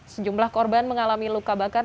sejumlah korban mengalami luka bakar